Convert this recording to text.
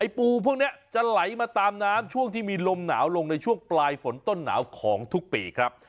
ปูพวกนี้จะไหลมาตามน้ำช่วงที่มีลมหนาวลงในช่วงปลายฝนต้นหนาวของทุกปีครับ